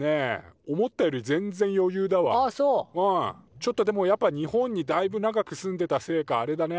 ちょっとでもやっぱ日本にだいぶ長く住んでたせいかあれだね。